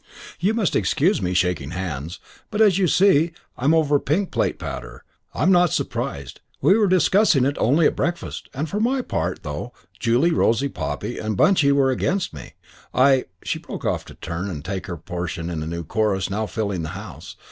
"You must excuse me shaking hands, but as you see I am over pink plate powder. I'm not surprised. We were discussing it only at breakfast; and for my part, though Julie, Rosie, Poppy and Bunchy were against me, I " She broke off to turn and take her portion in a new chorus now filling the house.